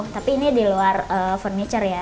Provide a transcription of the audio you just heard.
tapi ini di luar furniture ya